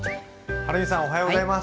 はるみさんおはようございます。